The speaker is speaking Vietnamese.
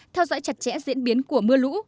theo dõi chặt chẽ diễn biến của mưa lũ